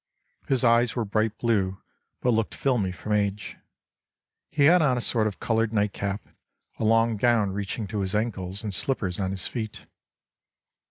His eyes were bright blue, but looked filmy from age. He had on a sort of coloured night cap, a long gown reaching to his ankles, and slippers on his feet.